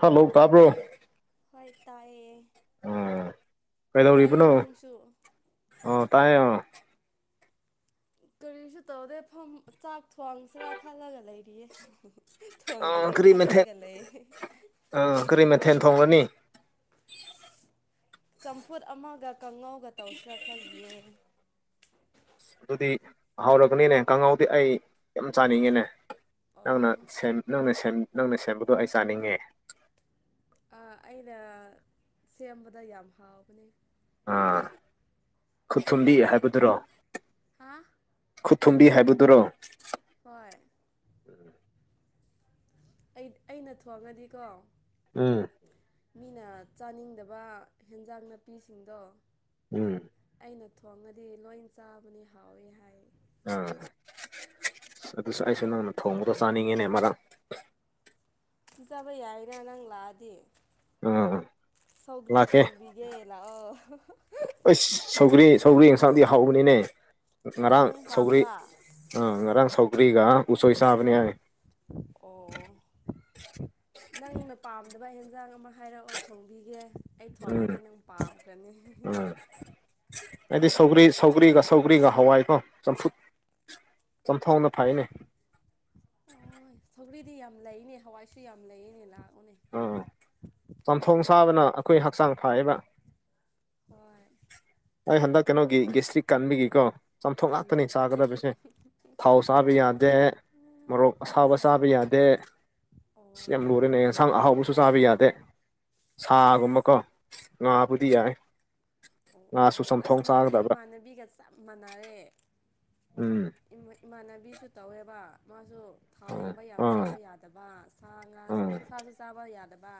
ꯍꯂꯧ ꯇꯥꯕ꯭ꯔꯣ ꯍꯣꯏ ꯇꯥꯏꯌꯦ ꯑ ꯇꯥꯏꯀꯣ ꯀꯩꯗꯧꯔꯤꯕꯅꯣ ꯅꯪꯁꯨ ꯑ ꯇꯥꯏꯌꯦ ꯑꯥ ꯀꯔꯤꯁꯨ ꯇꯧꯗꯦ ꯐꯝ ꯆꯥꯛ ꯊꯣꯡꯁꯤꯔꯥ ꯈꯜꯂꯒ ꯂꯩꯔꯤꯌꯦ ꯍꯤ ꯍꯤ ꯑꯣ ꯀꯔꯤ ꯃꯊꯦꯜ ꯑ ꯀꯔꯤ ꯃꯠ ꯊꯦꯟ ꯊꯣꯡꯒꯅꯤ ꯆꯝꯐꯨꯠ ꯑꯃꯒ ꯀꯥꯡꯉꯧꯒ ꯇꯧꯁꯤꯔꯥ ꯈꯜꯂꯤꯌꯦ ꯁ ꯑꯗꯨꯗꯤ ꯍꯧꯔꯒꯅꯤꯅꯦ ꯀꯥꯡꯍꯧꯗꯤ ꯑꯩ ꯑꯥꯝ ꯆꯥꯅꯤꯡꯉꯤꯅꯦ ꯅꯪꯅ ꯑꯣ ꯁꯦꯝ ꯅꯪꯅ ꯁꯦꯝ ꯅꯪꯅ ꯁꯦꯝꯕꯗꯣ ꯑꯩ ꯆꯥꯅꯤꯡꯉꯦ ꯑ ꯑꯩꯅ ꯁꯦꯝꯕꯗ ꯌꯥꯝ ꯍꯥꯎꯕꯅꯦ ꯑ ꯈꯨꯠꯊꯨꯝꯕꯤ ꯅꯪꯗꯤ ꯍꯥꯏꯕꯗꯨꯔꯣ ꯍꯥ ꯊꯨꯝꯕꯤ ꯍꯥꯏꯕꯗꯨꯔꯣ ꯍꯣꯏ ꯑꯩ ꯑꯩꯅ ꯊꯣꯡꯉꯗꯤꯀꯣ ꯎꯝ ꯃꯤꯅ ꯆꯥꯅꯤꯡꯗꯕ ꯍꯦꯟꯖꯥꯡ ꯅꯥꯄꯤꯁꯤꯡꯗꯣ ꯎꯝ ꯑꯩꯅ ꯊꯣꯡꯉꯗꯤ ꯂꯣꯏ ꯆꯥꯕꯅꯤ ꯍꯥꯎꯋꯤ ꯍꯥꯏ ꯑꯥ ꯁ ꯑꯗꯨꯁꯨ ꯑꯩꯁꯨ ꯅꯪꯅ ꯊꯣꯡꯕꯗꯣ ꯆꯥꯅꯤꯡꯉꯤꯅꯦ ꯃꯔꯥꯝ ꯄꯤꯖꯕ ꯌꯥꯏꯅ ꯅꯪ ꯂꯥꯛꯑꯗꯤ ꯑꯑꯥ ꯁꯧꯒ꯭ꯔꯤ ꯊꯣꯡꯕꯤꯒꯦ ꯂꯥꯛꯑꯣ ꯁꯁ ꯁꯧꯒ꯭ꯔꯤ ꯁꯧꯒ꯭ꯔꯤ ꯏꯟꯁꯥꯡꯗꯤ ꯍꯥꯎꯕꯅꯤꯅꯦ ꯑ ꯉꯔꯥꯡ ꯅꯪ ꯁꯧꯒ꯭ꯔꯤ ꯄꯥꯝꯕ꯭ꯔꯥ ꯑ ꯉꯔꯥꯡ ꯁ ꯔꯤꯑꯥ ꯎꯁꯣꯏ ꯆꯥꯕꯅꯦ ꯑꯣ ꯑꯗꯨꯃꯥꯏ ꯌꯦꯟꯖꯥꯡ ꯑꯃ ꯍꯥꯏꯔꯛꯑꯣ ꯊꯣꯡꯕꯤꯒꯦ ꯑꯩ ꯎꯝ ꯊꯣꯡꯉꯗꯤ ꯅꯪ ꯄꯥꯝꯈ꯭ꯔꯅꯤ ꯍꯤ ꯍꯤ ꯑꯥ ꯍꯥꯏꯗꯤ ꯁꯧꯒ꯭ꯔꯤ ꯁꯧꯒ꯭ꯔꯤꯒ ꯁꯧꯒ꯭ꯔꯤꯒ ꯍꯋꯥꯏꯀꯣ ꯆꯝꯐꯨꯠ ꯆꯝꯊꯣꯡꯅ ꯐꯩꯅꯦ ꯑꯣꯏ ꯁꯧꯒ꯭ꯔꯤꯗꯤ ꯌꯥꯝ ꯂꯩꯅꯦ ꯍꯋꯥꯏꯁꯨ ꯌꯥꯝ ꯂꯩꯌꯦꯅꯦ ꯂꯥꯛ ꯑꯥ ꯆꯝꯊꯣꯡ ꯁꯥꯕꯅ ꯑꯩꯈꯣꯏ ꯍꯛꯆꯥꯡ ꯐꯩꯌꯦꯕ ꯍꯣꯏ ꯑꯩ ꯍꯟꯗꯛ ꯀꯩꯅꯣꯒꯤ ꯒꯦꯁꯇ꯭ꯔꯤꯛ ꯀꯟꯕꯒꯤꯀꯣ ꯆꯝꯊꯣꯡ ꯉꯥꯛꯇꯅꯤ ꯎꯝ ꯆꯥꯒꯗꯕꯁꯦ ꯊꯥꯎ ꯆꯥꯕ ꯌꯥꯗꯦ ꯃꯣꯔꯣꯛ ꯑꯁꯥꯕ ꯑꯁ ꯆꯥꯕ ꯌꯥ ꯗꯦ ꯁꯤ ꯑꯣ ꯑꯦꯝ ꯂꯨꯔꯦꯅꯦ ꯌꯦꯟꯁꯥꯡ ꯑꯍꯥꯎꯕꯁꯨ ꯆꯥꯕ ꯌꯥꯗꯦ ꯁꯥꯒꯨꯝꯕ ꯑꯁ ꯀꯣ ꯉꯥꯕꯨꯗꯤ ꯌꯥꯏ ꯑꯣ ꯑꯣ ꯉꯥꯁꯨ ꯑꯁ ꯆꯝꯊꯣꯡ ꯅꯪꯁꯦ ꯆꯥꯒꯗꯕ ꯏꯃꯥꯟꯅꯕꯤꯒ ꯆꯞ ꯃꯥꯟꯅꯔꯦ ꯎꯝ ꯏꯃꯥ ꯏꯃꯥꯟꯅꯕꯤꯁꯨ ꯇꯧꯋꯦꯕ ꯃꯥꯁꯨ ꯑꯥ ꯊꯥꯎꯒꯨꯝꯕ ꯌꯥꯝ ꯑꯥ ꯆꯥꯕ ꯌꯥꯗꯕ ꯁꯥ ꯉꯥ ꯎꯝ ꯁꯥꯁꯨ ꯆꯥꯕ ꯌꯥꯗꯕ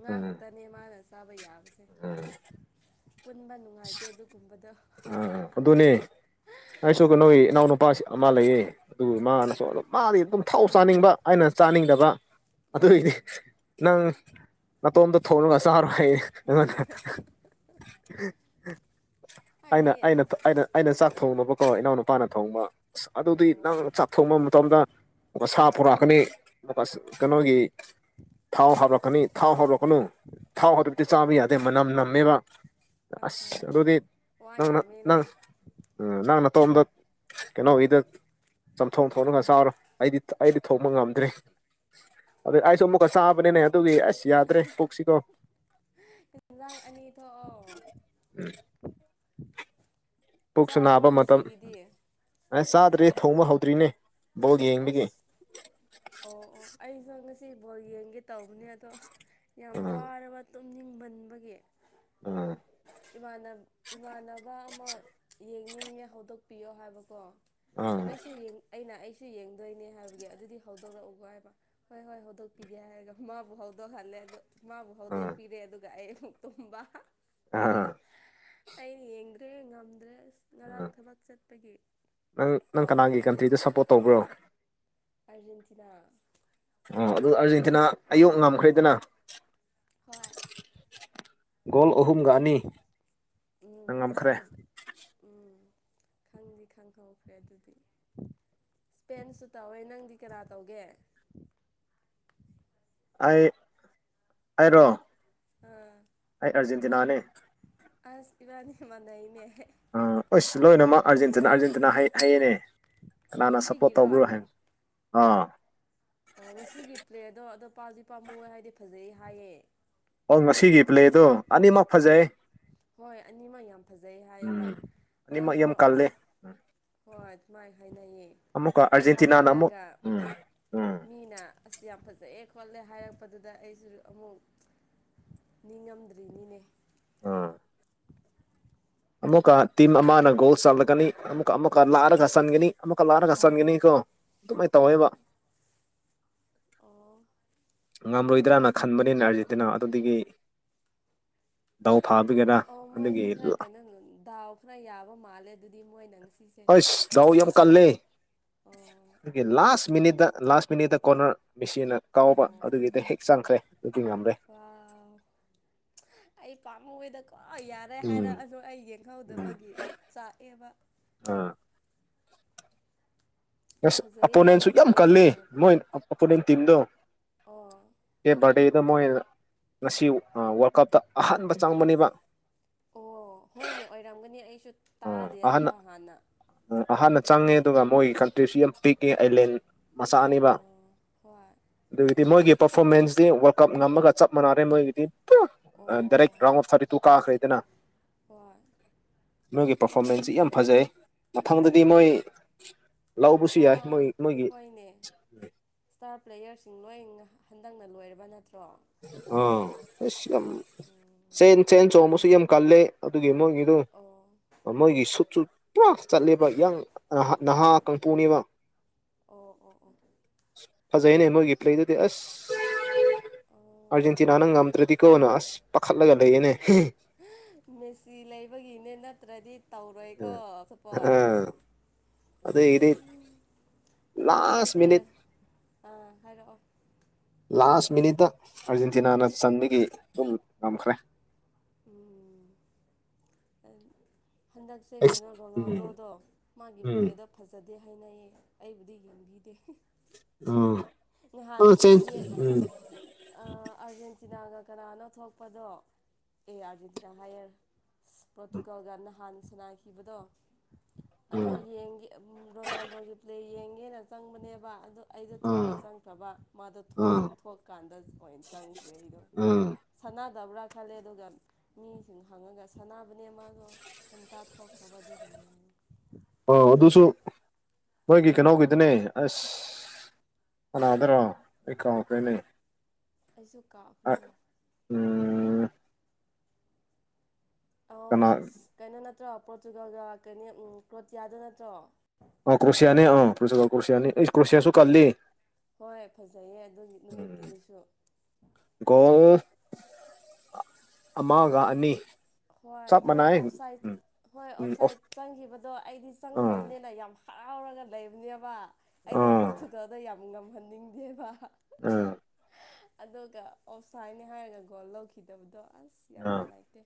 ꯉꯥ ꯎꯝ ꯈꯇꯅꯦ ꯃꯥꯅ ꯆꯥꯕ ꯌꯥ ꯎꯝ ꯄꯨꯟꯕ ꯅꯨꯡꯉꯥꯏꯇꯦ ꯑꯗꯨꯒꯨꯝꯕꯗ ꯑ ꯑꯗꯨꯅꯦ ꯑꯩꯁꯨ ꯀꯩꯅꯣꯒꯤ ꯏꯅꯥꯎꯅ ꯅꯨꯄꯥ ꯑꯃ ꯂꯩꯌꯦ ꯑꯗꯨ ꯃꯥꯅꯁꯨ ꯑꯥ ꯑꯗꯨꯝ ꯃꯥꯗꯤ ꯑꯗꯨꯝ ꯊꯥꯎ ꯆꯥꯅꯤꯡꯕ ꯑꯩꯅ ꯆꯥꯅꯤꯡꯗꯕ ꯑ ꯏ ꯎꯝ ꯅꯪ ꯅꯇꯣꯝꯇ ꯊꯣꯡꯂꯨ ꯉꯁꯔ ꯍꯥꯏꯌꯦ ꯎꯝ ꯎꯝ ꯑꯩꯅ ꯍꯥꯏꯗꯤ ꯑꯩꯅ ꯑꯁ ꯑꯩꯅ ꯑꯩꯅ ꯆꯥꯛ ꯊꯣꯡꯉꯕꯀꯣ ꯏꯅꯥꯎ ꯅꯨꯨꯄꯥꯅ ꯊꯣꯡꯕ ꯑꯁ ꯑꯗꯨꯗꯤ ꯑꯣ ꯅꯪ ꯑꯣ ꯆꯥꯛ ꯊꯣꯡꯕ ꯃꯇꯝꯗ ꯁꯥ ꯄꯨꯣꯔꯛꯀꯅꯤ ꯑꯗꯨꯒ ꯀꯩꯅꯣꯒꯤ ꯊꯥꯎ ꯍꯥꯔꯛꯄ ꯀꯅꯤ ꯊꯥꯎ ꯍꯧꯔꯛꯀꯅꯨ ꯊꯥꯎ ꯍꯧꯗꯕꯗꯤ ꯆꯥꯕ ꯌꯥꯗꯦ ꯃꯅꯝ ꯅꯝꯃꯦꯕ ꯑꯥ ꯍꯣꯏ ꯑꯁ ꯑꯗꯨꯗꯤ ꯋꯥ ꯅꯪꯅ ꯌꯥꯝꯃꯦꯅꯦ ꯅꯪ ꯎ ꯅꯪ ꯅ ꯇꯣꯝꯗ ꯀꯩꯅꯣꯒꯤꯗ ꯆꯝꯊꯣꯡ ꯊꯣꯛꯅꯤꯡꯒ ꯆꯥꯎꯔꯣ ꯑꯩꯗꯤ ꯑꯩꯗꯤ ꯊꯣꯡꯕ ꯉꯝꯗ꯭ꯔꯦ ꯑꯗ ꯑꯥꯏ ꯁꯝꯃꯨ ꯀ ꯁꯥꯄꯅꯤꯅꯦ ꯑꯗꯨꯒꯤ ꯑꯁ ꯌꯥꯗ꯭ꯔꯦ ꯄꯣꯛꯁꯤꯀꯣ ꯌꯦꯟꯖꯥꯡ ꯑꯅꯤ ꯎꯝ ꯎꯝ ꯄꯨꯛꯁꯨ ꯅꯥꯕ ꯃꯇꯝ ꯑꯁ ꯆꯥꯗ꯭ꯔꯦ ꯊꯣꯡꯕ ꯍꯧꯗ꯭ꯔꯤꯅꯦ ꯕ ꯌꯦꯕꯒꯤ ꯑꯁ ꯑꯣ ꯑꯩꯁꯨ ꯑꯣ ꯉꯁꯤ ꯕꯣꯜ ꯌꯦꯡꯒꯦ ꯇꯧꯕꯅꯦ ꯑꯗꯣ ꯌꯥꯝ ꯎꯝ ꯋꯥꯔꯕ ꯇꯨꯝꯅꯤꯡꯃꯟꯕꯒꯤ ꯎꯝ ꯥꯟ ꯏꯃꯥꯟꯅꯕ ꯑꯃ ꯌꯦꯡꯅꯤꯡꯉꯦ ꯍꯧꯗꯣꯛꯄꯤꯌꯣ ꯍꯥꯏꯕꯀꯣ ꯎꯝ ꯑꯩꯁꯨ ꯑꯩꯅ ꯑꯩ ꯁꯤꯨ ꯌꯦꯡꯗꯣꯏꯅꯦ ꯍꯥꯏꯕꯒꯤ ꯑꯗꯨꯗꯤ ꯍꯧꯗꯣꯛꯂꯛꯎꯒ ꯍꯥꯏꯕ ꯍꯣꯏ ꯍꯣꯏ ꯍꯧꯗꯣꯛꯄꯤꯒꯦ ꯍꯥꯏꯔꯒ ꯃꯥꯕꯨ ꯍꯧꯗꯣꯛꯍꯜꯂꯦ ꯑꯗꯣ ꯃꯥꯕꯨ ꯎꯝ ꯍꯧꯗꯣꯛꯄꯤꯔꯦ ꯑꯗꯨꯒ ꯑꯩꯨꯛ ꯇꯨꯝꯕ ꯑꯥ ꯑꯩꯅ ꯌꯦꯡꯗ꯭ꯔꯦ ꯉꯝꯗ꯭ꯔꯦꯁ ꯉꯔꯥꯡ ꯎꯝ ꯊꯕꯛ ꯆꯠꯄꯒꯤ ꯅꯪ ꯅꯪ ꯀꯅꯥꯒꯤ ꯀꯟꯇ꯭ꯔꯤꯗ ꯁꯞꯄꯣꯔꯠ ꯇꯧꯕ꯭ꯔꯣ ꯑꯔꯖꯦꯟꯇꯤꯅꯥ ꯑꯗꯨꯒ ꯑꯥꯔꯖꯦꯟꯇꯤꯅꯥ ꯑꯌꯣꯛ ꯉꯝꯈ꯭ꯔꯦꯗꯅ ꯍꯣꯏ ꯒꯣꯜ ꯑꯍꯨꯝꯒ ꯑꯅꯤ ꯎꯝ ꯅꯪ ꯍꯣꯏ ꯉꯝꯈ꯭ꯔꯦ ꯑꯗꯨ ꯎꯝ ꯈꯪꯗꯤ ꯈꯪꯍꯧꯈ꯭ꯔꯦ ꯑꯗꯨꯗꯤ ꯏꯁꯄꯦꯟꯁꯨ ꯇꯧꯋꯦ ꯅꯪꯗꯤ ꯀꯅꯥ ꯇꯧꯒꯦ [unintelligible] ꯑꯩ ꯑꯩꯔꯣ ꯑꯥ ꯑꯩ ꯑꯥꯔꯖꯦꯟꯇꯤꯅꯥꯅꯤ ꯑꯁ ꯏꯕꯥꯅꯤ ꯃꯥꯟꯅ ꯏꯅꯦ ꯑ ꯑꯁ ꯂꯣꯏꯅꯃꯛ ꯑꯥꯔꯖꯦꯟꯇꯤ ꯑꯥꯔꯖꯦꯟꯇꯤꯅꯥ ꯍꯌꯦꯦꯅꯦ ꯀꯅ ꯁꯄꯣꯔꯠ ꯉꯁꯤꯒꯤꯔꯣ ꯇꯧꯕꯧꯕ꯭ꯔꯣꯑꯣ ꯍꯥꯏ ꯑ ꯑꯣ ꯉꯁꯤꯒꯤ ꯄ꯭ꯂꯦꯠꯗꯣ ꯑꯗꯣ ꯄꯥꯝꯗꯤ ꯄꯥꯝꯃꯨ ꯍꯥꯏꯗꯤ ꯐꯖꯩ ꯍꯥꯏꯌꯦ ꯑꯣ ꯉꯁꯤꯒꯤ ꯄ꯭ꯂꯦꯗꯣ ꯑꯅꯤꯃꯛ ꯐꯖꯩ ꯍꯣꯏ ꯑꯅꯤꯃꯛ ꯌꯥꯝ ꯐꯖꯩ ꯍꯥꯏꯌꯦꯕ ꯎꯝ ꯑꯅꯤꯃꯛ ꯑꯩꯗꯣ ꯌꯥꯝ ꯀꯜꯂꯦ ꯑꯁ ꯎꯝ ꯍꯣꯏ ꯑꯗꯨ ꯃꯥꯏ ꯍꯥꯏꯅꯩꯌꯦ ꯑꯃꯨꯛꯀ ꯑꯩ ꯑꯥꯔꯖꯦꯟꯇꯤꯅꯥꯅ ꯑꯃꯨꯛ ꯍꯧꯒꯠꯂꯒ ꯎꯝ ꯎꯝ ꯃꯤꯅ ꯑꯁꯤ ꯌꯥꯝ ꯐꯖ ꯆꯛꯑꯦ ꯈꯣꯠꯂꯦ ꯍꯥꯏꯔꯛꯄꯗꯨꯗ ꯑꯩꯁꯨ ꯑꯃꯨꯛ ꯅꯤꯡꯉꯝꯗ꯭ꯔꯤꯅꯤꯅꯦ ꯑꯥ ꯑꯃꯨꯛꯀ ꯇꯤꯝ ꯑꯃꯅ ꯒꯣꯜ ꯆꯜꯂꯛꯀꯅꯤ ꯑꯃꯨꯛꯀ ꯑꯃꯨꯛꯀ ꯂꯥꯛꯑꯔꯒ ꯆꯟꯒꯅꯤ ꯑꯃꯨꯛꯀ ꯂꯥꯔꯒ ꯑꯣ ꯆꯪꯒꯅꯤꯀꯣ ꯑꯗꯨꯃꯥꯏꯅ ꯇꯧꯋꯦꯕ ꯍꯣꯏ ꯑꯣ ꯉꯝꯔꯣꯏꯗ꯭ꯔꯅ ꯈꯟꯕꯅꯤꯅ ꯑꯥꯔꯖꯦꯟꯇꯤꯅꯥ ꯑꯗꯨꯗꯒꯤ ꯗꯥꯎ ꯐꯥꯕꯒꯤꯔꯥ ꯑꯣ ꯃꯣꯏꯁꯦ ꯑꯗꯨꯒꯤ ꯈꯔ ꯀꯩꯅꯣ ꯗꯥꯎ ꯈꯔ ꯌꯥꯕ ꯃꯥꯜꯂꯦ ꯑꯗꯨꯗꯤ ꯃꯣꯏꯅꯪ ꯍꯁ ꯗꯥꯎ ꯌꯥꯝ ꯀꯜꯂꯦ ꯑꯣ ꯑꯗꯨꯒꯤꯅꯤ ꯂꯥꯁ ꯃꯤꯅꯤꯠꯇ ꯂꯥꯁ ꯃꯤꯅꯤꯠꯇ ꯀꯣꯔꯅꯔ ꯃꯦꯁꯤꯤꯟꯅ ꯀꯥꯎꯕ ꯑꯣ ꯑꯗꯨꯒꯤꯗ ꯍꯦꯛ ꯑꯣ ꯆꯪꯈ꯭ꯔꯦ ꯑꯗꯨꯗꯤ ꯉꯝꯂꯦ ꯋꯥꯎ ꯑꯩ ꯄꯥꯝ ꯑꯣꯏꯦꯗ ꯀ꯭ ꯌꯥꯔꯦ ꯍꯥꯏꯔ ꯎꯝ ꯑꯗ ꯑꯩ ꯎꯝ ꯌꯦꯡꯍꯧꯗꯕꯒꯤ ꯆꯥꯛꯑꯦꯕ ꯑꯥ ꯌꯥꯝ ꯑꯁ ꯐꯖꯩꯌꯦ ꯑꯄꯣꯅꯦꯟꯁꯨ ꯌꯥꯝ ꯐꯖꯩꯌꯦ ꯂꯣꯏ ꯀꯜꯂꯦ ꯍꯥꯏꯔꯛꯄ ꯃꯣꯏ ꯑꯄꯣꯅꯦꯟ ꯇꯤꯝꯗꯣ ꯑꯣ ꯀꯦꯞ ꯕꯔꯗꯦꯗꯣ ꯃꯣꯢ ꯉꯁꯤ ꯋꯥꯔꯜ ꯀꯞꯇ ꯑꯍꯥꯟꯕ ꯆꯪꯕꯅꯤꯕ ꯑꯣ ꯍꯣꯏꯅꯦ ꯑꯣꯏꯔꯝꯒꯅꯤ ꯑꯩꯁꯨ ꯎꯝ ꯑꯍꯥꯟꯅ ꯇꯥꯗꯤꯌꯦꯕ ꯍꯥꯟꯅ ꯑꯍꯥꯟꯅ ꯆꯪꯉꯦ ꯑꯗꯨꯒ ꯃꯣꯏꯒꯤ ꯀꯟꯇ꯭ꯔꯤꯁꯨ ꯌꯥꯝ ꯄꯤꯛꯉꯦ ꯑꯥꯏꯂꯦꯟ ꯃꯆꯥꯅꯦꯕ ꯑꯣ ꯍꯣꯏ ꯑꯗꯨꯒꯤꯗꯤ ꯃꯣꯏꯒꯤ ꯄꯔꯐꯣꯔꯃꯦꯟꯁꯇꯤ ꯋꯥꯔꯜ ꯀꯞ ꯉꯝꯃꯒ ꯆꯞ ꯃꯥꯟꯅꯔꯦ ꯃꯣꯏꯒꯤꯗꯤ ꯗꯥꯢꯔꯦꯛ ꯔꯥꯟꯗ ꯑꯣꯐ ꯊꯥꯔꯇꯤꯇꯨ ꯀꯥꯒ꯭ꯔꯦꯗꯅ ꯍꯣꯢ ꯃꯣꯏꯒꯤ ꯄꯔꯐꯣꯔꯃꯦꯟꯁꯇꯤ ꯌꯥꯝ ꯐꯖꯩ ꯃꯊꯪꯗꯗꯤ ꯃꯣꯏ ꯂꯧꯕꯁꯨ ꯀꯥ ꯌꯥꯏ ꯃꯣꯏ ꯃꯣꯏꯒꯤ ꯁꯤꯡ ꯂꯣꯏꯅ ꯍꯟꯗꯛꯅ ꯂꯣꯏꯔꯕ ꯅꯠ ꯑꯥ ꯑꯁ ꯌꯥꯝ ꯎꯝ ꯆꯦꯟ ꯆꯦꯟ ꯆꯣꯡꯕꯁꯨ ꯌꯥꯝ ꯀꯜꯂꯦ ꯑꯗꯨꯒꯤ ꯃꯣꯏꯒꯤꯗꯨꯣ ꯑꯣ ꯃꯣꯏꯒꯤ ꯁꯨꯠꯁꯨꯨ ꯄꯨꯔ ꯆꯠꯂꯦꯕ ꯌꯥꯡ ꯅꯍꯥ ꯀꯪꯄꯣꯅꯦꯕ ꯑꯣ ꯑꯣ ꯑꯣ ꯐꯖꯩꯅꯦ ꯃꯣꯏꯒꯤ ꯄ꯭ꯂꯦꯗꯨꯗꯤ ꯑꯁ ꯑꯣ ꯑꯔꯖꯦꯟꯇꯤꯅꯥꯅ ꯅꯝꯗ꯭ꯔꯗꯤ ꯀꯣꯅ ꯑꯁ ꯄꯥꯈꯠꯂꯒ ꯂꯩꯌꯦꯅꯦ ꯃꯦꯁꯤ ꯂꯩꯕꯒꯤꯅꯦ ꯅꯠꯇ꯭ꯔꯗꯤ ꯇꯧꯔꯣꯏꯀꯣ ꯑꯇꯣꯄ ꯑꯥ ꯑꯗꯒꯤꯗꯤ ꯎꯝ ꯑꯗꯣ ꯂꯥꯁ ꯍꯟꯗꯛꯁꯦ ꯃꯤꯅꯤꯠ ꯑ ꯍꯥꯏꯔꯛꯑꯣ ꯂꯥꯁ ꯃꯤꯅꯤꯠꯇ ꯑꯥꯔꯖꯦꯟꯇꯤꯅꯥꯅ ꯆꯟꯕꯒꯤ ꯑꯗꯨꯝ ꯉꯝꯈ꯭ꯔꯦ ꯎꯝ ꯍꯟꯗꯛꯁꯦ ꯀꯩꯅꯣ ꯎꯝ ꯔꯣꯅꯥꯜꯗꯣꯗꯣ ꯃꯥꯒꯤ ꯎꯝ ꯄ꯭ꯂꯦꯗꯣ ꯐꯖ ꯗꯦ ꯍꯥꯏꯅꯩꯌꯦ ꯑꯩꯕꯨꯗꯤ ꯌꯦꯡꯕꯤꯗꯦ ꯑꯣ ꯉꯍꯥꯟ ꯌꯦ ꯑꯥ ꯑꯥꯔꯖꯦꯟꯇꯤꯅꯥꯒ ꯀꯅꯥꯅꯣ ꯊꯣꯛꯄꯗꯣ ꯑꯦ ꯑꯥꯔꯖꯦꯟꯇꯤꯅꯥ ꯍꯥꯏꯌꯦ ꯄꯔꯣꯇꯨꯒꯣꯜꯒ ꯅꯍꯥꯟꯅ ꯁꯥꯟꯅꯥꯈꯤꯕꯗꯣ ꯑꯗꯣ ꯌꯦꯡꯒꯦ ꯔꯣꯅꯥꯜꯗꯣꯒꯤ ꯄ꯭ꯂꯦ ꯌꯦꯡꯒꯦꯅ ꯆꯪꯕꯅꯦꯕ ꯑꯗꯣ ꯑꯩꯗꯣ ꯎꯝ ꯊꯦꯡꯅ ꯎꯝ ꯆꯪꯈ꯭ꯔꯕ ꯃꯥꯗꯣ ꯊꯣꯛ ꯎꯝ ꯊꯣꯛꯀꯥꯟꯗ ꯑꯣꯢꯅ ꯆꯪꯗ꯭ꯔꯦ ꯑꯩꯗꯣ ꯎꯝ ꯇꯕ꯭ꯔꯥ ꯈꯜꯂꯦ ꯑꯗꯨꯒ ꯃꯤꯁꯤꯡ ꯍꯪꯉꯒ ꯁꯅꯕꯅꯦ ꯃꯥꯗꯣ ꯉꯟꯇꯥ ꯊꯣꯛꯈ꯭ꯔꯕ ꯑꯗꯨꯒꯤꯅꯤ ꯑꯣ ꯑꯗꯨꯁꯨ ꯃꯣꯏꯒꯤ ꯀꯩꯅꯣꯒꯤꯗꯨꯅꯦ ꯑꯁ ꯀꯅꯥꯗꯔꯥ ꯑꯩ ꯀꯥꯎꯈ꯭ꯔꯦꯅꯦ ꯑꯩꯁꯨ ꯀꯥꯎꯈ꯭ꯔꯦꯅꯦ ꯎꯝ ꯑꯣ ꯀꯅꯥ ꯀꯩꯅꯣ ꯅꯠꯇ꯭ꯔꯣ ꯄꯔꯣꯇꯨꯒꯜꯒ ꯀꯩꯅꯦ ꯀ꯭ꯔꯣꯇꯤꯌꯥꯗ ꯅꯠꯇ꯭ꯔꯣ ꯑ ꯀ꯭ꯔꯣꯁꯤꯌꯥꯅꯤ ꯑ ꯄ꯭ꯔꯣꯇꯨꯒꯜ ꯑꯩ ꯀ꯭ꯔꯣꯁꯤꯌꯥꯁꯨ ꯀꯜꯂꯤ ꯍꯣꯏ ꯐꯖꯩꯌꯦ ꯑꯗꯨꯒꯤ ꯎꯝ ꯅꯨꯃꯤꯠꯀꯤꯗꯨꯁꯨ ꯒꯣꯜ ꯑꯃꯒ ꯑꯅꯤ ꯍꯣꯏ ꯆꯞ ꯃꯣꯏ ꯃꯥꯟꯅꯩ ꯑꯣꯞꯁꯥꯏꯠ ꯎꯝ ꯍꯣꯏ ꯎꯝ ꯑꯣꯞꯁꯥꯏꯠ ꯑꯣꯐ ꯆꯪꯒꯤꯕꯗꯣ ꯑꯩꯗꯤ ꯑꯥ ꯆꯪꯈ꯭ꯔꯕꯅꯤꯅ ꯌꯥꯝ ꯍꯔꯥꯎꯔꯒ ꯂꯩꯕꯅꯦꯕ ꯑꯩꯗ ꯑꯥ ꯄ꯭ꯔꯣꯊꯨꯇꯣꯗ ꯌꯥꯝ ꯉꯝꯍꯟꯅꯤꯡꯗꯦꯕ ꯑꯥ ꯑꯗꯨꯒ ꯑꯣꯐꯁꯥꯏꯗꯅꯦ ꯍꯥꯏꯔꯒ ꯒꯣꯜ ꯂꯧꯈꯤꯗꯕꯗꯣ ꯑꯁ ꯌꯥꯝ ꯅꯨꯡꯉꯥꯏꯇꯦ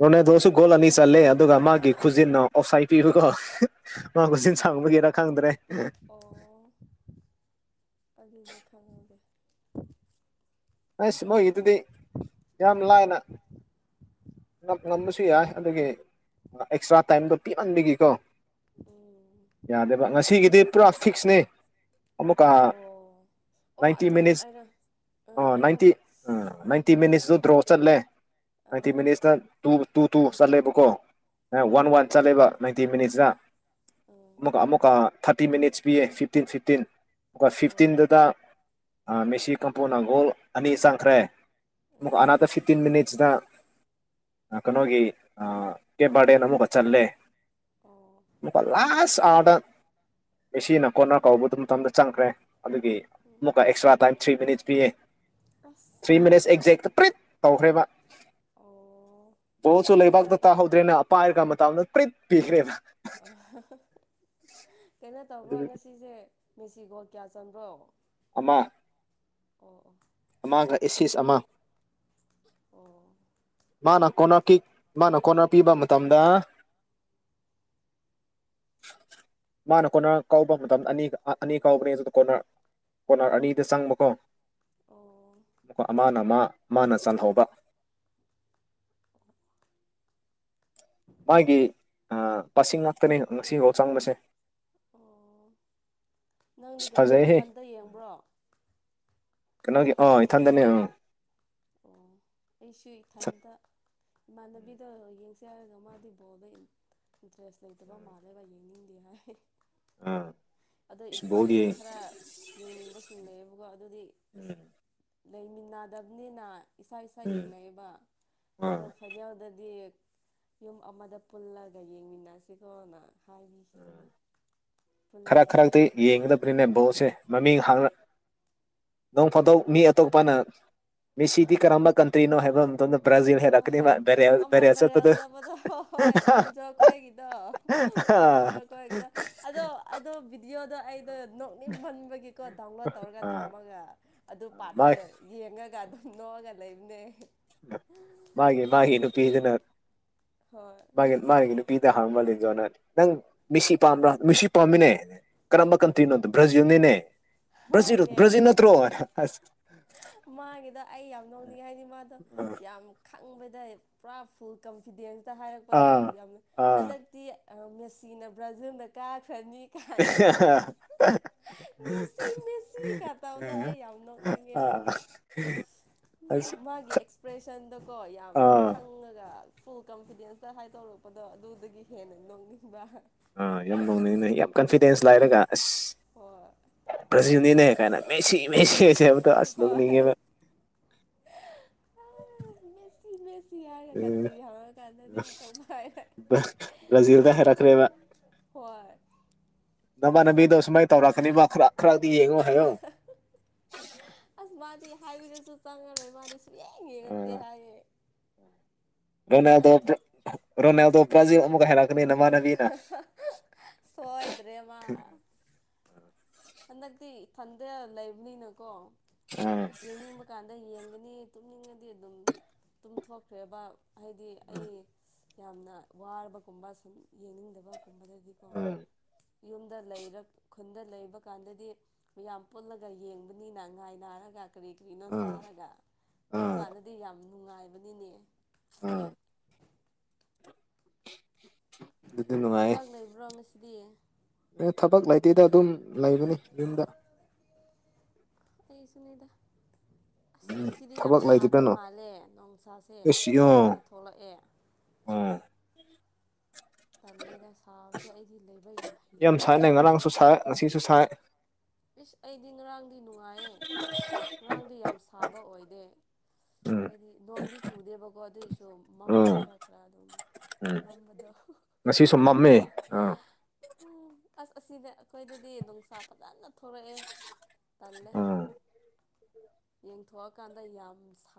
ꯔꯣꯅꯥꯟꯗꯣꯁꯩ ꯒꯣꯜ ꯑꯅꯤ ꯆꯠꯂꯦ ꯑꯗꯨꯒ ꯃꯥꯒꯤ ꯈꯨꯖꯤꯟꯅ ꯑꯣꯐ ꯁꯥꯢꯗ ꯄꯤꯕꯀꯣ ꯃꯥ ꯑꯣ ꯈꯨꯖꯤꯟ ꯁꯥꯡꯕꯨꯒꯤꯔ ꯈꯪꯗ꯭ꯔꯦ ꯑꯗꯨꯅꯦ ꯈꯪꯗꯦ ꯑꯁ ꯃꯣꯢꯒꯤꯗꯨꯗꯤ ꯌꯥꯝ ꯂꯥꯢꯅ ꯉꯝꯕꯁꯨ ꯌꯥꯏ ꯑꯗꯨꯒꯤ ꯑꯦꯛꯁꯇ꯭ꯔꯥ ꯇꯥꯏꯝꯗꯣ ꯄꯤꯃꯟꯕꯤꯒꯤꯀꯣ ꯎꯝ ꯌꯥꯗꯦꯕ ꯉꯁꯤꯒꯤꯗꯤ ꯄꯨꯔꯥ ꯐꯤꯛꯁꯅꯦ ꯑꯃꯨꯛꯀ ꯑꯣ ꯑꯣ ꯅꯥꯏꯟꯇꯤ ꯑꯗꯨꯒꯤ ꯃꯤꯅꯤꯠꯁ ꯑꯣꯏꯔ ꯑ ꯀꯩꯅꯣ ꯅꯥꯏꯟꯇꯤ ꯎꯝ ꯅꯥꯏꯟꯇꯤ ꯃꯤꯅꯤꯠꯁꯇꯨ ꯗ꯭ꯔꯣ ꯆꯠꯂꯦ ꯅꯥꯏꯟꯇꯤ ꯑ ꯃꯤꯅꯤꯠꯁꯇ ꯇꯨ ꯇꯨ ꯇꯨ ꯆꯜꯂꯦꯕꯀꯣ ꯋꯥꯟ ꯑꯣ ꯋꯥꯟ ꯆꯜꯂꯦꯕ ꯅꯥꯏꯟꯇꯤ ꯃꯤꯅꯤꯠꯁꯇ ꯎꯝ ꯑꯃꯨꯛꯀ ꯑꯃꯨꯛꯀ ꯊꯥꯔꯇꯤ ꯃꯤꯅꯤꯠꯁ ꯄꯤꯌꯦ ꯐꯤꯞꯇꯤꯟ ꯐꯤꯞꯇꯤꯟ ꯑꯗꯨꯒ ꯑꯣ ꯐꯤꯐꯇꯤꯟꯗꯨꯗ ꯃꯦꯁꯤ ꯀꯝꯄꯣꯅ ꯒꯣꯜ ꯑꯅꯤ ꯆꯪꯈ꯭ꯔꯦ ꯨ ꯑꯃꯨꯛꯀ ꯎꯝ ꯑꯅꯥꯗꫪ ꯐꯤꯐꯇꯤꯟ ꯃꯤꯟꯠꯁꯇ ꯑ ꯀꯩꯅꯣꯒꯤ ꯑ ꯀꯦꯕꯥꯥꫪꯗꯦ ꯅꯃꯨꯛꯒ ꯆꯜꯂꯦ ꯑꯣ ꯑꯃꯨꯛꯀ ꯂꯥꯁ ꯑꯥꫪꯗ ꯃꯦꯁꯤꯅ ꯀꯣꯟꫪ ꯀꯧꯕꯗꯨ ꯃꯇꯝꯗ ꯆꯪꯈ꯭ꯔꯦ ꯑꯗꯨꯒꯤ ꯑꯃꯨꯛꯀ ꯎꯝ ꯑꯦꯛꯁꯇ꯭ꯔꯥ ꯇꯥꯏꯝ ꯊ꯭ꯔꯤ ꯃꯤꯅꯠꯁ ꯄꯤꯌꯦ ꯑꯁ ꯊ꯭ꯔꯤ ꯃꯤꯅꯠꯁ ꯑꯩ [unintelligible] ꯇꯧꯈ꯭ꯔꯦ ꯃꯥ ꯑꯣ ꯕꯣꯜꯁꯨ ꯂꯩꯕꯥꯛꯇ ꯀꯔꯤ ꯇꯥꯍꯧꯗ꯭ꯔꯦꯅ ꯑ ꯒ ꯃꯇꯗ ꯄ꯭ꯔꯤꯠ ꯄꯤꯈ꯭ꯔꯦꯅ ꯑ ꯍ ꯍꯥꯀꯩꯅꯣ ꯇꯧꯕ꯭ꯔꯣ ꯑꯗꯨ ꯉꯁꯤꯁꯦ ꯃꯦꯁꯤꯒꯣꯜ ꯀꯌꯥ ꯆꯟꯕ꯭ꯔꯣ ꯑꯃ ꯑꯣ ꯑꯣ ꯑꯃꯥꯡꯒ ꯑꯦꯁꯤꯁ ꯑꯃ ꯑꯣ ꯃꯥꯅ ꯀꯣꯟꯅꫪ ꯀꯤꯛ ꯃꯥꯅ ꯀꯣꯟꯅꫪ ꯄꯤꯕ ꯃꯇꯝꯗ ꯃꯥꯅ ꯀꯣꯟꯅꯔ ꯀꯥꯎꯕ ꯃꯇꯝꯗ ꯑꯅꯤ ꯑꯅꯤ ꯀꯥꯎꯕꯅꯦ ꯑꯗꯨꯗ ꯀꯣꯟꯅꯔ ꯀꯣꯅꯔ ꯑꯅꯤꯗ ꯆꯪꯕꯀꯣ ꯑꯣ ꯃꯥꯅ ꯃꯥ ꯃꯥꯅ ꯆꯜꯍꯧꯕ ꯃꯥꯒꯤ ꯑ ꯄꯁꯤꯡ ꯉꯥꯛꯇꯅꯦ ꯉꯁꯤꯐꯥꯎ ꯆꯥꯡꯕꯁꯦ ꯑꯣ ꯅꯪꯗꯤ ꯀꯩꯅꯣ ꯃꯊꯟꯇ ꯌꯦꯡꯕ꯭ꯔꯣ ꯀꯩꯅꯣꯒꯤ ꯑꯥ ꯏꯊꯟꯗꯅꯦ ꯑꯥ ꯑꯣ ꯑꯩꯁꯨ ꯏꯊꯟꯇ ꯏꯃꯥꯟꯅꯕꯤꯗ ꯌꯦꯡꯁꯦ ꯍꯥꯏꯔꯒ ꯃꯥꯗꯤ ꯕꯣꯜꯗ ꯏꯟꯇ꯭ꯔꯦꯁ ꯂꯩꯇꯕ ꯃꯥꯜꯂꯦꯕ ꯌꯦꯡꯅꯤꯡꯗꯦ ꯍꯥꯏ ꯑꯥ ꯑꯗꯣ ꯕꯣꯜ ꯏꯃꯥꯟꯅꯕꯤ ꯌꯦꯡ ꯈꯔ ꯌꯦꯡꯅꯤꯡꯕꯁꯤꯡ ꯂꯩꯌꯦꯕꯀꯣ ꯑꯗꯨꯗꯤ ꯎꯝ ꯂꯩꯃꯤꯟꯅꯗꯕꯅꯤꯅ ꯏꯁꯥ ꯏꯁꯥ ꯎꯝ ꯌꯦꯡꯅꯩꯌꯦꯕ ꯑꯗꯣ ꯑꯥ ꯐꯥꯏꯅꯦꯜꯗꯗꯤ ꯌꯨꯝ ꯑꯃꯗ ꯄꯨꯜꯂꯒ ꯌꯦꯡꯃꯤꯟꯅꯁꯤꯀꯣꯅ ꯍꯥꯏꯕꯤꯈꯤꯕꯅꯤ ꯄꯨꯜꯂ ꯌꯦꯡꯕꯗ ꯐ꯭ꯔꯤꯅꯦ ꯕꯣꯠꯁꯦ ꯃꯃꯤꯡ ꯍꯥꯡꯂ ꯅꯣꯡ ꯐꯥꯗꯣꯛ ꯃꯤ ꯑꯇꯣꯞꯄꯅ ꯃꯤ ꯁꯤ ꯀꯥꯝꯝꯕ ꯀꯟꯇ꯭ꯔꯤ ꯅꯣ ꯍꯥꯏꯕ ꯃꯇꯝꯗ ꯕ꯭ꯔꯥꯖꯤꯜ ꯍꯣꯏ ꯍꯣꯏ ꯍꯥꯏꯔꯛꯀꯅꯤꯕ ꯕꯦꯔꯦꯜ ꯑꯃ ꯕꯦꯔꯦꯜ ꯕꯥꯏꯔꯦꯜ ꯆꯠꯄꯗꯣ ꯆꯥꯄꯗ ꯍꯣꯏ ꯂꯤꯟꯖꯣꯈꯣꯏꯒꯤꯗꯣ ꯌꯨꯇꯨꯕꫪꯈꫭꯏꯒꯤꯗꫭ ꯑꯗꯣ ꯑꯗꯨ ꯕꯤꯗ꯭ꯌꯣ ꯗꯨ ꯑꯩꯗꫭ ꯅꯣꯛꯅꯤꯡꯃꯟꯕꯒꯤꯀꯣ ꯗꯥꯎꯟꯂꯣꯗ ꯇꯧꯔꯒ ꯑꯥ ꯊꯝꯃꯒ ꯑꯗꯨ ꯄꯥꯔꯠꯇꯣ ꯃꯥꯒꯤ ꯌꯦꯡꯉꯒ ꯑꯗꯨ ꯅꯣꯒꯥꯟ ꯂꯩꯕꯅꯦ ꯃꯥꯒꯤ ꯃꯥꯒꯤ ꯅꯨꯄꯤꯗꯨꯅ ꯍꯣꯏ ꯃꯥꯒꯤ ꯃꯥꯒꯤ ꯅꯨꯄꯤ ꯄꯤꯗ ꯍꯥꯡꯕ ꯂꯤꯟꯖꫭꯅ ꯅꯪ ꯃꯤ ꯃꯤꯁꯤ ꯄꯥꯝꯕ꯭ꯔ ꯃꯦꯁꯤ ꯄꯥꯝꯃꯤꯅꯦ ꯀꯔꯝꯕ ꯀꯟꯇ꯭ꯔꯤꯅꯣꯗꯣ ꯕ꯭ꯔꯥꯖꯤꯜ ꯅꯤꯅꯦ ꯕ꯭ꯔꯖꯤꯜ ꯍꯣꯏꯅꯦ ꯕ꯭ꯔꯖꯤꯜ ꯅꯠꯇ꯭ꯔꯣ ꯃꯥꯒꯤꯗ ꯑꯩ ꯌꯥꯝ ꯅꯧꯅꯤꯡꯉꯦ ꯍꯥꯏꯗꯤ ꯃꯥꯗꯣ ꯌꯥꯝ ꯈꯪꯕꯗ ꯄꯨꯔꯥ ꯐꯨꯜ ꯀꯟꯐꯤꯗꯦꯟꯁꯇ ꯍꯥꯏꯔꯛꯄꯗꯣ ꯑꯥ ꯌꯥꯝꯅ ꯑꯥ ꯍꯟꯗꯛꯇꯤ ꯃꯦꯁꯤꯅ ꯕ꯭ꯔꯥꯖꯤꯜꯅ ꯀꯥꯈ꯭ꯔꯅꯤ ꯀꯥꯏꯅ ꯇꯧꯕꯗꫭ ꯃꯦꯁꯤ ꯃꯦꯁꯤ ꯀ ꯇꯥꯎꯗꫭ ꯑꯩ ꯌꯥꯝꯅ ꯅꯤꯉꯦ ꯑꯥ ꯃꯥꯕꯨ ꯑꯁ ꯃꯥꯒꯤ ꯑꯦꯛꯄ꯭ꯔꯦꯁꯟꯗꯣ ꯌꯥꯝ ꯑꯥ ꯈꯪꯉꯒ ꯐꯨꯜ ꯀꯟꯐꯤꯗꯦꯟꯁꯇ ꯍꯥꯏꯗꫭꯔꯛꯄꯗꯣ ꯑꯗꯨꯗꯒꯤ ꯍꯦꯟꯅ ꯅꯣꯡꯅꯤꯡꯕ ꯑꯥ ꯌꯥꯝ ꯅꫭꯛꯅꯤꯡ ꯅ ꯌꯥꯝ ꯀꯟꯐꯤꯗꯦꯟꯁ ꯂꯥꯏꯔꯒ ꯑꯁ ꯍꯣꯏ ꯕ꯭ꯔꯥꯖꯤꯜꯅꯤꯅꯦ ꯀꯥꯏꯅ ꯃꯦꯁꯤ ꯃꯦꯁꯤ ꯅꯦ ꯍꯥꯏꯕꯗ ꯑꯁ ꯍꯣꯏ ꯅꫭꯛꯅꯤꯉꯦꯕ ꯁꯤ ꯍꯥꯏꯔꯒ ꯀꯟꯇ꯭ꯔꯤ ꯍꯥꯡꯉ ꯀꯥꯟꯗꯗꯤ ꯑꯇꯄ ꯍꯥꯏꯔ ꯕ꯭ꯔꯥꯖꯤꯜꯗ ꯍꯥꯏꯔꯛꯈ꯭ꯔꯦꯕ ꯅꯃꯥꯟꯅꯕꯤꯗꯣ ꯁꯨꯃꯥꯏꯅ ꯇꯧꯔꯛꯀꯅꯤꯕ ꯈꯔ ꯈꯔꯒ ꯍꯥꯏ ꯑꯁ ꯃꯥꯗꯤ ꯍꯥꯏꯕꯤꯔꯁꯨ ꯆꯪꯉꯔꯣꯏ ꯃꯥꯗꯤ ꯁꯨꯡꯌꯦꯡ ꯌꯦꯡꯉꯛꯇꯦ ꯍꯥꯏꯌꯦ ꯔꯣꯅꯦꯗ ꯑꯁ ꯔꯣꯅꯦꯜꯗꯣ ꯄ꯭ꯔꯥꯖꯤ ꯑꯃꯨꯛ ꯍꯦꯔꯛ ꯁꯣꯏꯗ꯭ꯔꯦꯃ ꯍꯟꯗꯛꯇꯤ ꯏꯊꯟꯇ ꯂꯩꯕꯅꯤꯅꯀꯣ ꯑꯥ ꯌꯦꯡꯅꯤꯡꯕ ꯀꯥꯟꯗ ꯅꯤ ꯇꯨꯝꯅꯤꯡꯉꯗꯤ ꯑꯗꯨꯝ ꯇꯨꯝꯊꯣꯛꯈ꯭ꯔꯦꯕ ꯍꯥꯏꯗꯤ ꯑꯩ ꯌꯥꯝꯅ ꯋꯥꯔꯕꯒꯨꯝꯕ ꯁꯨꯝ ꯌꯦꯡꯅꯤꯡꯗꯕꯒꯨꯝꯕꯗꯗꯒꯤꯀꯣ ꯑꯥ ꯌꯨꯝꯗ ꯂꯩꯔ ꯈꯨꯟꯗ ꯂꯩꯕ ꯗꯨꯀꯥꯟꯗꯗꯤ ꯃꯌꯥꯝ ꯄꯨꯜꯂꯒ ꯌꯦꯡꯕꯅꯤꯅ ꯉꯥꯏ ꯅꯥꯔꯒ ꯀꯔꯤ ꯀꯔꯤꯅꯣ ꯑꯥ ꯆꯥꯔꯒ ꯑꯥ ꯑꯗꯨꯀꯥꯟꯗꯗꯤ ꯌꯥꯝ ꯅꯨꯡꯉꯥꯏꯕꯅꯤꯅꯦ ꯎꯝ ꯑꯗꯨꯗꯤ ꯅꯨꯡꯉꯥꯏ ꯊꯕꯛ ꯂꯩꯕ꯭ꯔꯣ ꯉꯁꯤꯗꯤ ꯊꯕꯛ ꯂꯩꯇꯗ ꯑꯗꯨꯝ ꯂꯩꯕꯅꯤ ꯌꯨꯝꯗ ꯑꯩ ꯁꯤꯅꯗ [inaudible] ꯑꯁ ꯉꯁꯤꯗꯤ ꯌꯥꯝ ꯊꯕꯛ ꯁꯥꯗꯣꯏ ꯂꯩꯇꯗꯅꯣ ꯃꯥꯜꯂꯦ ꯣꯡꯁꯥꯁꯦ ꯑꯦꯁ ꯑꯣ ꯐꯖꯅ ꯊꯣꯛꯂꯛꯑꯦ ꯎꯝ ꯇꯜꯂꯦꯗ ꯁꯥꯎꯕꯁꯦ ꯑꯩꯗꯤ ꯂꯩꯕ ꯌꯥꯝ ꯍꯩꯅꯗꯦꯕ ꯇꯨ ꯁꯥꯏ ꯏꯁ ꯑꯩꯗꯤ ꯉꯔꯥꯡꯗꯤ ꯅꯨꯡꯉꯥꯏꯌꯦ ꯉꯔꯥꯡꯗꯤ ꯌꯥꯝ ꯁꯥꯕ ꯑꯣꯏꯗꯦ ꯎꯝ ꯍꯥꯏꯗꯤ ꯅꯣꯡꯗꯤ ꯆꯨꯗꯦꯕꯀꯣ ꯑꯗꯨꯏꯁꯨ ꯃꯝ ꯎꯝ ꯈꯔ ꯈꯔ ꯑꯗꯨꯝ ꯃꯝꯕꯗ ꯃꯃꯤꯃꯦ ꯎꯝ ꯑꯁ ꯑꯁꯤꯗ ꯑꯩꯈꯣꯏꯗꯗꯤ ꯅꯨꯡꯁꯥ ꯐꯖꯅ ꯊꯣꯔꯛꯑꯦ ꯇꯜꯂꯦ ꯎꯝ ꯌꯦꯡꯊꯣꯛꯑꯀꯥꯟꯗ ꯌꯥꯝ ꯁ